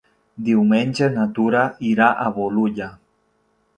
Diumenge na Tura irà a Bolulla.